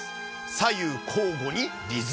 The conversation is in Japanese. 左右交互にリズムよく。